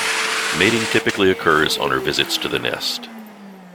Mating typically occurs on her visits to the nest.